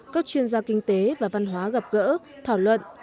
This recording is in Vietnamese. các chuyên gia kinh tế và văn hóa gặp gỡ thảo luận